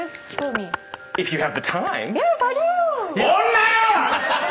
女よ！